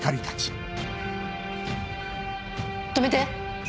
止めて！